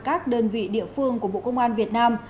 các đơn vị địa phương của bộ công an việt nam